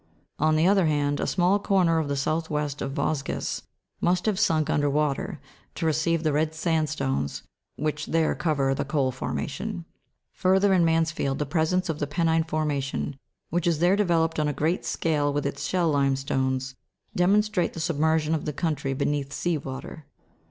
On the other hand, a small corner of the south west of Vosges must have sunk under water, to receive the red sandstones which there cover the coal formation. Further, in Mansfield the presence of the penine formation, which is there developed on a great scale with its shell limestones, demonstrate the submersion of the country beneath sea water.